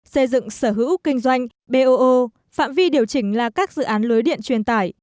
xây dựng sở hữu kinh doanh bo phạm vi điều chỉnh là các dự án lưới điện truyền tải